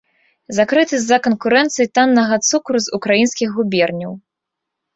Закрыты з-за канкурэнцыі таннага цукру з украінскіх губерняў.